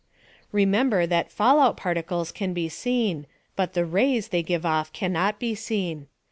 Remember that fallout particles can be seen, but the rays they give off cannot be seen.